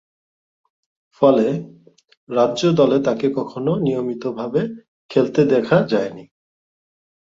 ফলে, রাজ্য দলে তাকে কখনো নিয়মিতভাবে খেলতে দেখা যায়নি।